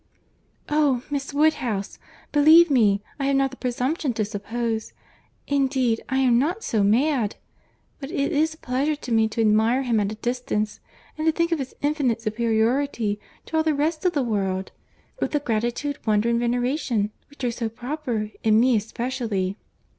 "Oh! Miss Woodhouse, believe me I have not the presumption to suppose— Indeed I am not so mad.—But it is a pleasure to me to admire him at a distance—and to think of his infinite superiority to all the rest of the world, with the gratitude, wonder, and veneration, which are so proper, in me especially."